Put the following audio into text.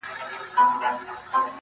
زما د ستړي ژوند مزل ژاړي، منزل ژاړي,